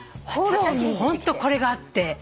私ホントこれがあって。